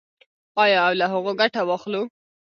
آیا او له هغو ګټه واخلو؟